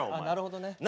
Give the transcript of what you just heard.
なるほどね。